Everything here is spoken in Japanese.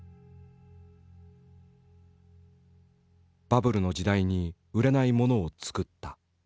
バブルの時代に売れないものを作った。